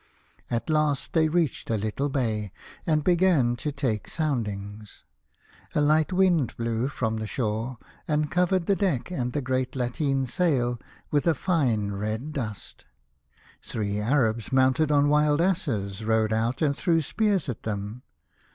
At last they reached a little bay, and began to take soundings. A light wind blew from the shore, and covered the deck and the great lateen sail with a fine red dust. Three Arabs mounted on wild asses rode out and threw spears at them.